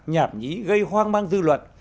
nhạm nhí gây hoang mang dư luận